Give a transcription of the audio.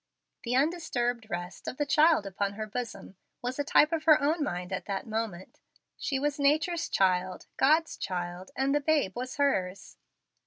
The undisturbed rest of the child upon her bosom was a type of her own mind at that moment. She was nature's child, God's child, and the babe was hers.